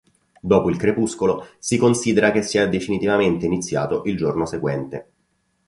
Dopo il crepuscolo si considera che sia definitivamente iniziato il giorno seguente.